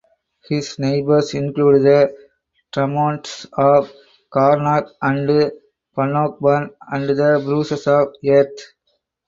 His neighbours included the Drummonds of Carnock and Bannockburn and the Bruces of Airth.